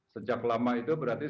sejak lama itu berarti